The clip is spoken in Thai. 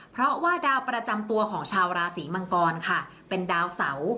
เพราะว่าดาวประจำตัวของชาวราศีมังกรค่ะเป็นดาวเสา